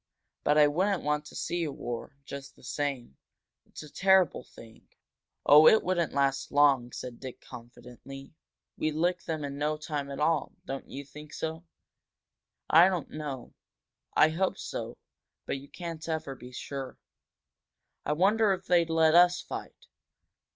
"But I wouldn't want to see a war, just the same. It's a terrible thing." "On, it wouldn't last long," said Dick, confidently. "We'd lick them in no time at all. Don't you think so?" "I don't know I hope so. But you can't ever be sure." "I wonder if they'd let us fight?"